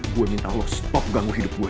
gue minta oh stop ganggu hidup gue